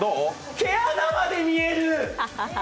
毛穴まで見える！